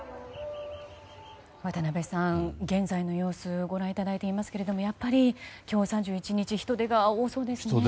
渡辺さん、現在の様子ご覧いただいていますけどやっぱり今日、３１日人出が多そうですね。